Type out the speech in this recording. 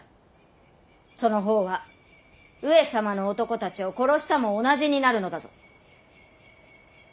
その方は上様の男たちを殺したも同じになるのだぞ！